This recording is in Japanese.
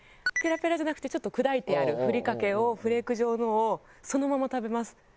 ペラペラじゃなくてちょっと砕いてあるふりかけをフレーク状のをそのまま食べます。